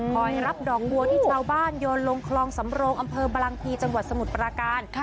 พอยรับดอกบัวที่เจ้าบ้านยนต์ลงคลองสำโรงอำเภอบลังภีร์จังหวัดสมุทรประการ